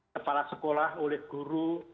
kepala sekolah oleh guru